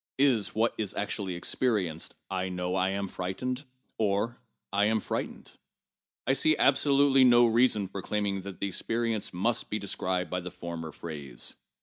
Is what is actually experienced, I know I am frightened, or I am f rightened ? I see absolutely no reason for claiming that the experience must be described by the former phrase.